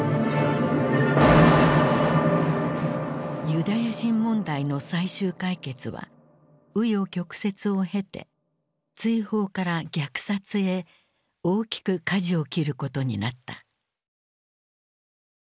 ユダヤ人問題の最終解決は紆余曲折を経て追放から虐殺へ大きくかじを切ることになった。